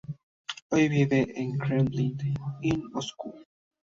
Hoy vive en el Kremlin, en Moscú.